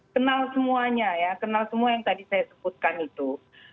kenal semuanya ya kenal semua yang tadi saya sebutkan itu